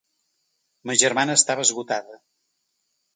Ma germana estava esgotada.